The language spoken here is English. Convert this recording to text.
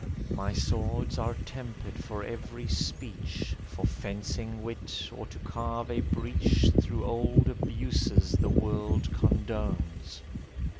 My swords are tempered for every speech, For fencing wit, or to carve a breach Through old abuses the world condones.